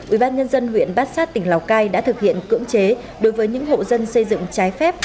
ubnd huyện bát sát tỉnh lào cai đã thực hiện cưỡng chế đối với những hộ dân xây dựng trái phép